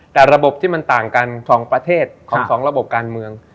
แต่ระบบที่มันต่างกัน๒ประเทศของสองระบบการเมือง